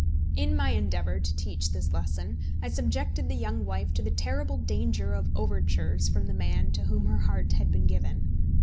In my endeavour to teach this lesson I subjected the young wife to the terrible danger of overtures from the man to whom her heart had been given.